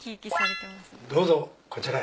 どうぞこちらへ。